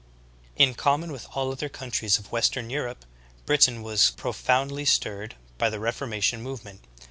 In com mon with all other countries of western Europe, Britain was profoundly stirred by the reformation movement.